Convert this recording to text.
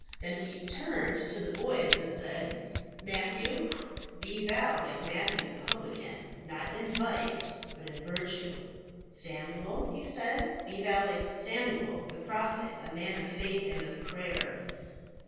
Then he turned to the boys and he said, Matthew, be thou like Matthew the publican, not in vice, but in virtue. Samuel, he said, be thou like Samuel the prophet, a man of faith and of prayer.